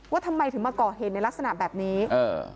ว่าทำไมถึงมาก่อเหตุในลักษณะแบบนี้เออ